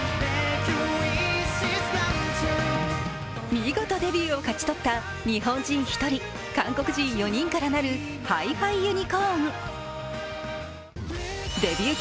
見事デビューを勝ち取った日本人１人、韓国人４人から成るＨｉ−ＦｉＵｎ！